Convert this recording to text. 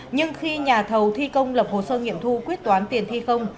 nhưng khi nhà thầu thi công lập hồ sơ nghiệm thu quyết toán tiền thi không